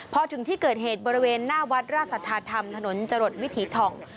พอถึงที่เกิดเหตุบริเวณหน้าวัดราชสัทธาธรรมถนนจรดวิถีทอง